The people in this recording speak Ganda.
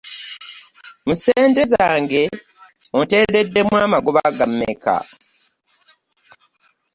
Mu ssente zange onteereddemu amagoba ga mmeka?